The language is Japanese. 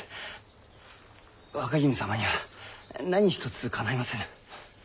若君様には何一つかないませぬ。